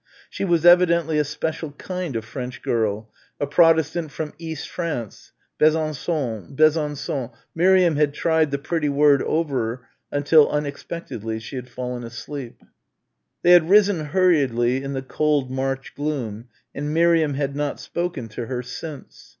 She was evidently a special kind of French girl a Protestant from East France Besançon Besançon Miriam had tried the pretty word over until unexpectedly she had fallen asleep. They had risen hurriedly in the cold March gloom and Miriam had not spoken to her since.